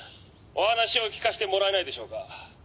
「お話を聞かせてもらえないでしょうか